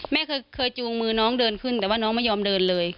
แม่เคยจูงมือน้องเดินขึ้นแต่ว่าน้องไม่ยอมเดินเลย